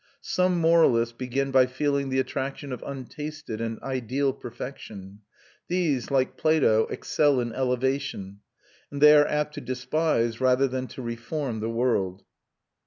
Some moralists begin by feeling the attraction of untasted and ideal perfection. These, like Plato, excel in elevation, and they are apt to despise rather than to reform the world.